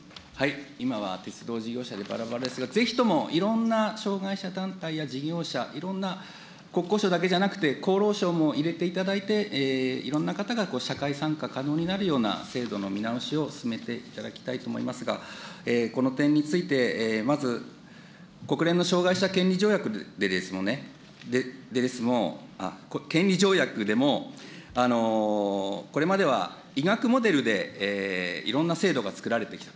今は鉄道事業者でばらばらですが、ぜひとも、いろんな障害者団体や事業者、いろんな国交省だけじゃなくて、厚労省も入れていただいて、いろんな方が社会参加可能になるような制度の見直しを進めていただきたいと思いますが、この点についてまず、国連の障害者権利条約でも、これまでは医学モデルでいろんな制度が作られてきた。